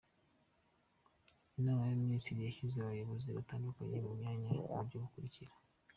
Inama y’Abaminisitiri yashyize Abayobozi batandukanye mu myanya ku buryo bukurikira:.